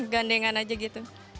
gandengan aja gitu